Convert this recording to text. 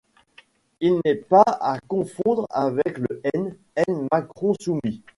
Il n’est pas à confondre avec le Ṉ, N macron souscrit.